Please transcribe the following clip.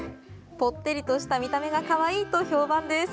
ぽってりとした見た目がかわいいと評判です。